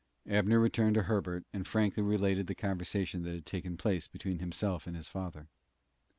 Abner returned to Herbert, and frankly related the conversation that had taken place between himself and his father.